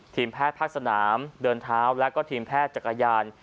ทีมแพทย์ภาคสนามเดินเท้าแล้วก็ทีมแพทย์จักรยาน